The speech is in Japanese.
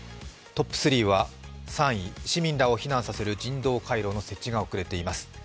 トップ３は３位、市民らを避難させる人道回廊の設置が遅れています。